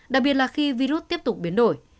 đặc biệt là khi virus tiếp tục biến đổi